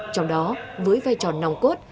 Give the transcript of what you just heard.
trong đó với vai tròn nòng cốt